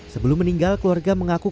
sebelum meninggal keluarga mengaku